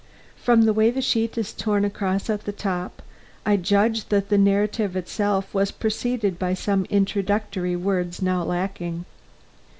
From the way the sheet is torn across at the top, I judge that the narrative itself was preceded by some introductory words now lacking.